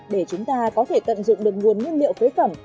để chúng ta có thể tận dụng được nguồn nguyên liệu phế phẩm